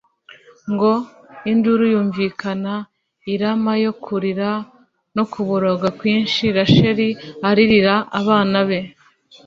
ngo "Induru yumvikana i Rama yo kurira no kuboroga kwinshi Rasheri aririra abana be,